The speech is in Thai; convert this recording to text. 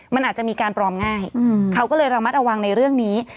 มันอาจจะมีการปลอมง่ายเขาก็เลยระมัดระวังในเรื่องนี้